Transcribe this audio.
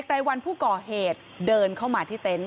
รายวันผู้ก่อเหตุเดินเข้ามาที่เต็นต์